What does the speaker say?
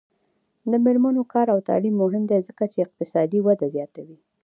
د میرمنو کار او تعلیم مهم دی ځکه چې اقتصادي وده زیاتوي.